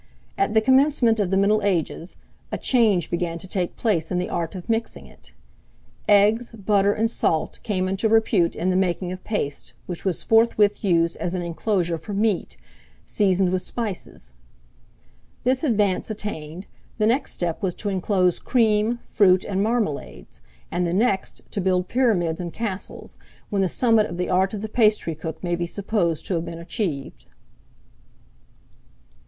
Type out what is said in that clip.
At the commencement of the middle ages, a change began to take place in the art of mixing it. Eggs, butter, and salt came into repute in the making of paste, which was forthwith used as an inclosure for meat, seasoned with spices. This advance attained, the next step was to inclose cream, fruit, and marmalades; and the next, to build pyramids and castles; when the summit of the art of the pastry cook may be supposed to have been achieved.